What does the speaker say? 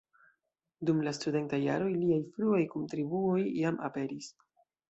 Dum la studentaj jaroj liaj fruaj kontribuoj jam aperis.